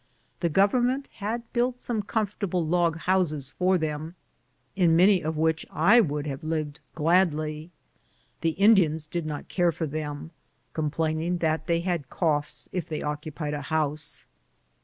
The Government had built some comfortable log houses for them, in many of which I would have lived gladly. The Indians did not care for them, complaining that they had coughs if they occupied a house.